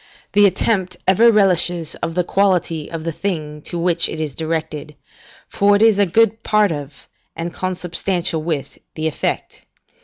The attempt ever relishes of the quality of the thing to which it is directed, for it is a good part of, and consubstantial with, the effect.